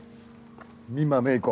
美馬芽衣子